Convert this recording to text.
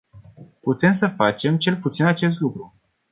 Putem să facem cel puțin acest lucru.